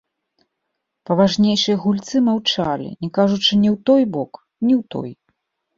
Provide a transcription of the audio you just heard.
Паважнейшыя гульцы маўчалі, не кажучы ні ў той бок, ні ў той.